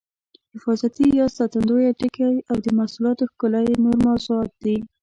حفاظتي یا ساتندویه ټکي او د محصولاتو ښکلا یې نور موضوعات دي.